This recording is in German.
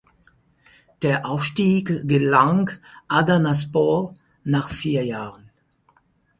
Der Aufstieg gelang Adanaspor nach vier Jahren.